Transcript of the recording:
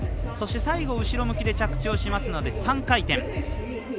そして最後、後ろ向きで着地するので３回転。